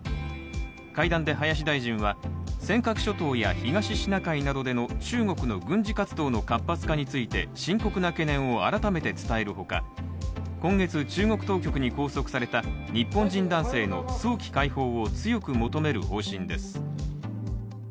会談で林外務大臣は尖閣諸島や東シナ海などでの中国の軍事活動の活発化について深刻な懸念を改めて伝えるほか、今月、中国当局に拘束された日本人男性の早期解放を強く求める方針です。